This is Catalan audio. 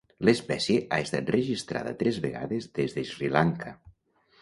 L'espècie ha estat registrada tres vegades des de Sri Lanka.